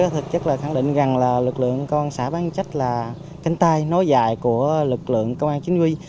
thực chất là khẳng định rằng là lực lượng công an xã bán trách là cánh tay nối dài của lực lượng công an chính quy